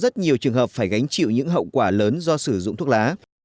trường hợp phải gánh chịu những hậu quả lớn do sử dụng thuốc lá